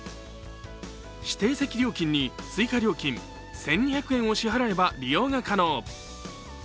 指定席料金に追加料金１２００円を支払えば利用が可能。